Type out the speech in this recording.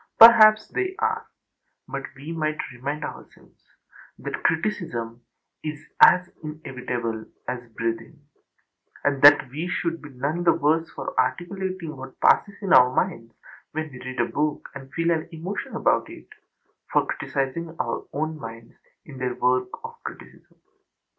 Perhaps they are; but we might remind ourselves that criticism is as inevitable as breathing, and that we should be none the worse for articulating what passes in our minds when we read a book and feel an emotion about it, for criticizing our own minds in their work of criticism.